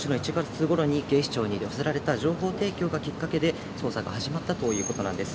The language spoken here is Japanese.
ことしの１月頃に警視庁に寄せられた情報提供がきっかけで捜査が始まったということなんです。